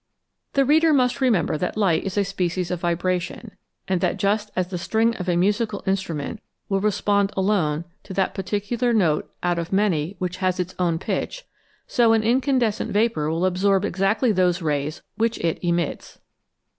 The reader must remember that light is a species of vibration, and that just as the string of a musical instrument will respond alone to that particular note out of many which has its own pitch, so an incandescent vapour will absorb exactly those rays which it emits.